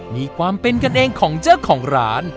มีความเป็นกันเองของเจ้าของร้าน